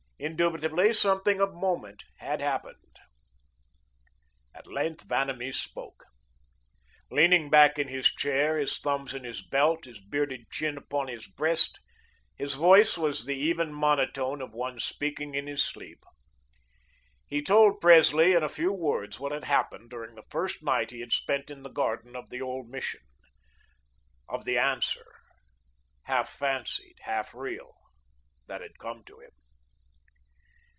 Indubitably, something of moment had happened. At length Vanamee spoke. Leaning back in his chair, his thumbs in his belt, his bearded chin upon his breast, his voice was the even monotone of one speaking in his sleep. He told Presley in a few words what had happened during the first night he had spent in the garden of the old Mission, of the Answer, half fancied, half real, that had come to him.